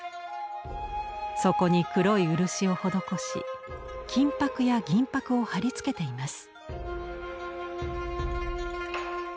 そこに黒い漆を施し金箔や銀箔を貼り付けています。